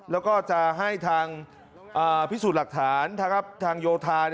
แล้วก็จะให้ทางพิสูจน์หลักฐานทางโยธา